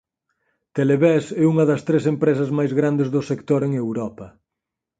Televés é unha das tres empresas máis grandes do sector en Europa.